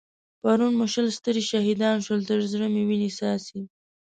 پرون مو شل سترې شهيدان شول؛ تر زړه مې وينې څاڅي.